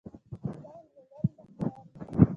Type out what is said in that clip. پړانګ له لرې نه ښکار ویني.